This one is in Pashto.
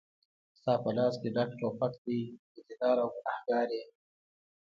ستا په لاس کې ډک توپک دی بدي دار او ګنهګار یې